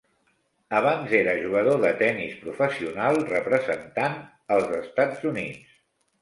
Abans era jugador de tenis professional representant els Estats Units.